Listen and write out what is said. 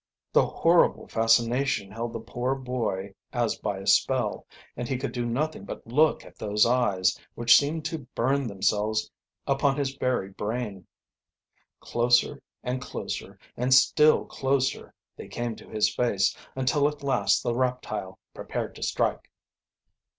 The horrible fascination held the poor, boy as by a spell, and he could do nothing but look at those eyes, which seemed to bum themselves upon his very brain. Closer and closer, and still closer, they came to his face, until at last the reptile prepared to strike.